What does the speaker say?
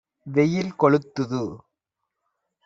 வெயில் கொளுத்துது